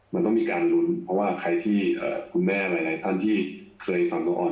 มันต้องมีการลุ้นเพราะว่าใครที่คุณแม่หลายท่านที่เคยฟังน้องออน